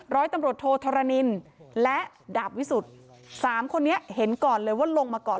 ร้อยตำรวจโทธรณินและดาบวิสุทธิ์สามคนนี้เห็นก่อนเลยว่าลงมาก่อน